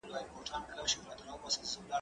که وخت وي، موبایل کاروم؟!